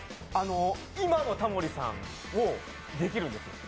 今のタモリさんをできるんですよ